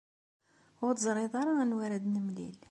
Ur teẓṛiḍ ara anwa ara d-nemlil.